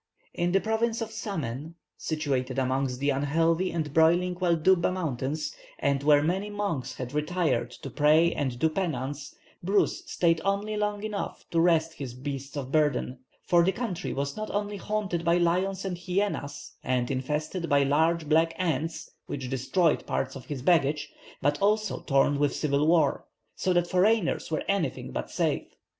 In the province of Samen, situated amongst the unhealthy and broiling Waldubba Mountains, and where many monks had retired to pray and do penance, Bruce stayed only long enough to rest his beasts of burden, for the country was not only haunted by lions and hyenas, and infested by large black ants, which destroyed part of his baggage, but also torn with civil war; so that foreigners were anything but safe.